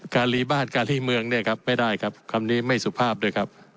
รีบ้านการลีเมืองเนี่ยครับไม่ได้ครับคำนี้ไม่สุภาพด้วยครับ